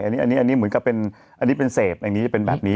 อันนี้อันนี้เหมือนกับเป็นอันนี้เป็นเสพอย่างนี้เป็นแบบนี้